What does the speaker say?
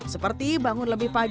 seperti bangun lebih pagi